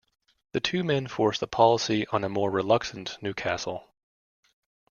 The two men forced the policy on a more reluctant Newcastle.